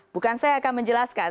bukan saya akan menjelaskan